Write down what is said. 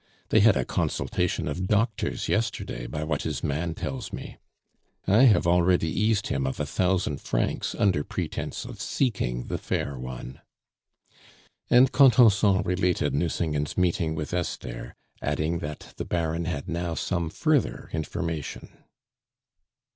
They had a consultation of doctors yesterday, by what his man tells me. I have already eased him of a thousand francs under pretence of seeking the fair one." And Contenson related Nucingen's meeting with Esther, adding that the Baron had now some further information.